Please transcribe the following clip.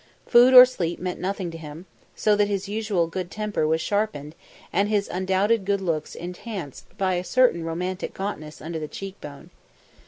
Food or sleep meant nothing to him, so that his usual good temper was sharpened and his undoubted good looks enchanced by a certain romantic gauntness under the cheek bone.